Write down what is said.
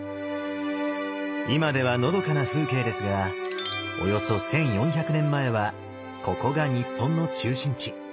今ではのどかな風景ですがおよそ１，４００年前はここが日本の中心地。